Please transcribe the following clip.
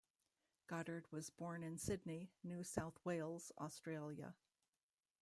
Goddard was born in Sydney, New South Wales, Australia.